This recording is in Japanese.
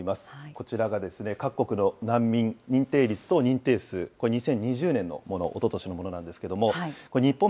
こちらが各国の難民認定率と認定数、これは２０２０年のもの、おととしのものなんですけれども、日本